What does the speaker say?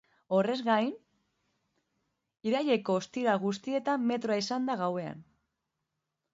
Horrez gain, iraileko ostiral guztietan metroa izango da gauean.